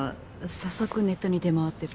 早速ネットに出回ってる。